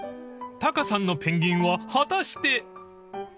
［タカさんのペンギンは果たして？］